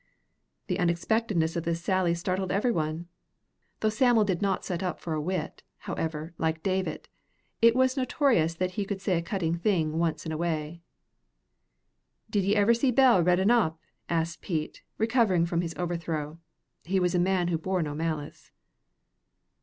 The unexpectedness of this sally startled every one. Though Sam'l did not set up for a wit, however, like Davit, it was notorious that he could say a cutting thing once in a way. "Did ye ever see Bell reddin' up?" asked Pete, recovering from his overthrow. He was a man who bore no malice.